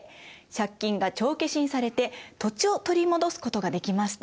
借金が帳消しにされて土地を取り戻すことができました。